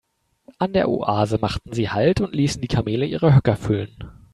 An der Oase machten sie Halt und ließen die Kamele ihre Höcker füllen.